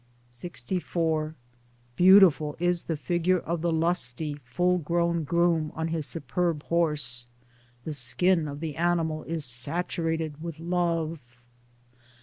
LXIV Beautiful is the figure of the lusty full grown groom on his superb horse : the skin of the animal is saturated with love.